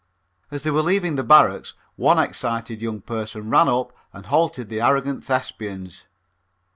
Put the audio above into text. As they were leaving the barracks one excited young person ran up and halted the arrogant Thespians.